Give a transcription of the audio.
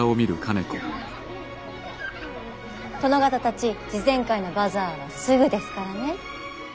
殿方たち慈善会のバザーはすぐですからね。